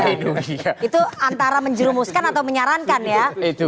itu antara menjerumuskan atau menyarankan ya